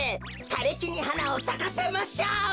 「かれきにはなをさかせましょう」。